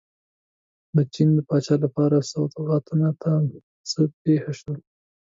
د چین د پاچا لپاره سوغاتونو ته څه پېښه شوه.